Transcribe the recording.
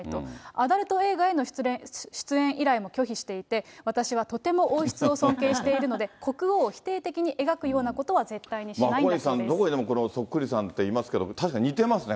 アダルト映画への出演依頼も拒否していて、私はとても王室を尊敬しているので、国王を否定的に描くようなことは絶対小西さん、どこにでもそっくりさんっていますけれども、確かに似てますね。